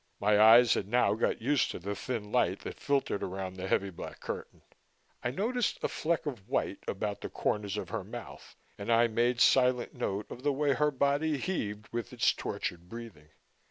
My eyes had now got used to the thin light that filtered around the heavy black curtain. I noticed a fleck of white about the corners of her mouth and I made silent note of the way her body heaved with its tortured breathing.